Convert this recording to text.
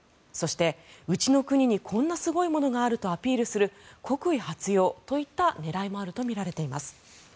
そしてうちの国にこんなすごいものがあるとアピールする国威発揚といった狙いもあるとみられています。